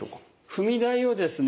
踏み台をですね